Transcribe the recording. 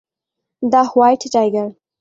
The White tiger.